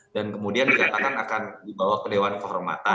dan kemudian dikatakan akan dibawa ke dewan kehormatan